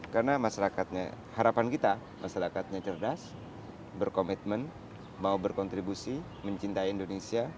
karena masyarakatnya harapan kita masyarakatnya cerdas berkomitmen mau berkontribusi mencintai indonesia